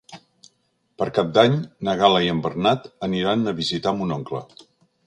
Per Cap d'Any na Gal·la i en Bernat aniran a visitar mon oncle.